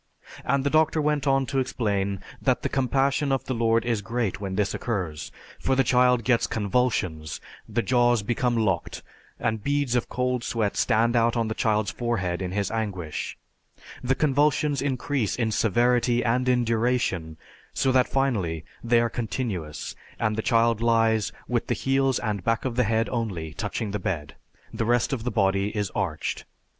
And the doctor went on to explain that the compassion of the Lord is great when this occurs, for the child gets convulsions, the jaws become locked, and beads of cold sweat stand out on the child's forehead in his anguish; the convulsions increase in severity and in duration so that finally they are continuous and the child lies with the heels and back of the head only touching the bed, the rest of the body is arched.